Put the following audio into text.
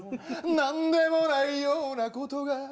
「何でもないような事が」